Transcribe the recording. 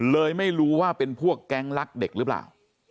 เลยไม่รู้ว่าเป็นพวกแก๊งรักเด็กหรือเปล่า